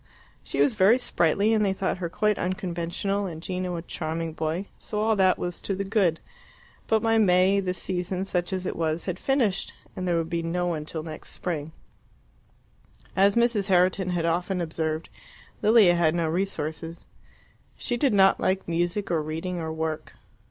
She was very sprightly, and they thought her quite unconventional, and Gino a charming boy, so all that was to the good. But by May the season, such as it was, had finished, and there would be no one till next spring. As Mrs. Herriton had often observed, Lilia had no resources. She did not like music, or reading, or work.